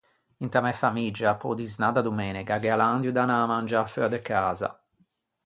Inta mæ famiggia pe-o disnâ da domenega gh’ea l’andio d’anâ à mangiâ feua de casa.